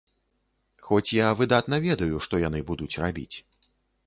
Хоць я выдатна ведаю, што яны будуць рабіць.